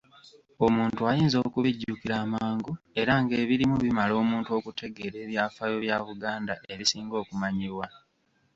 Omuntu ayinza okubijjukira amangu era ng'ebirimu bimala omuntu okutegeera ebyafaayo bya Buganda ebisinga okumanyibwa.